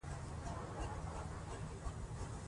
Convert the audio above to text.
مګر حقایق هم نه پټوي.